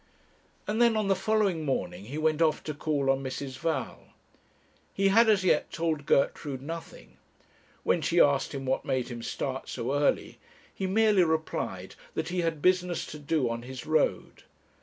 And then on the following morning he went off to call on Mrs. Val. He had as yet told Gertrude nothing. When she asked him what made him start so early, he merely replied that he had business to do on his road.